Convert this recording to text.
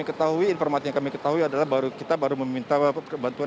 ketahui informasi yang kami ketahui adalah kita baru meminta bantuan